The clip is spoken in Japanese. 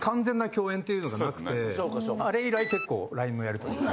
あれ以来結構ＬＩＮＥのやり取り。